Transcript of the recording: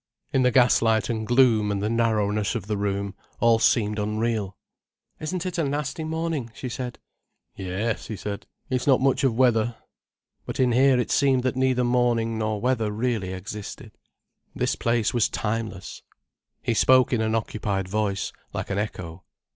In the gaslight and gloom and the narrowness of the room, all seemed unreal. "Isn't it a nasty morning," she said. "Yes," he said, "it's not much of weather." But in here it seemed that neither morning nor weather really existed. This place was timeless. He spoke in an occupied voice, like an echo.